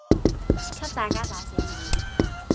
給大家打死了；